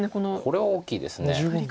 これは大きいです。